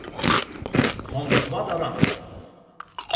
Fan de twadde rang.